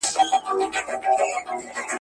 ملکيت بايد د مشروع لارو وي.